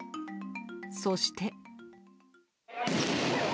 そして。